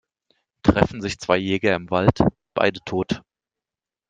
Treffen sich zwei Jäger im Wald - beide tot.